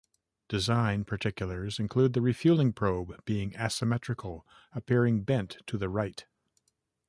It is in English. Design particulars include the refueling probe being asymmetrical, appearing bent to the right.